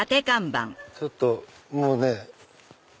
ちょっともうね。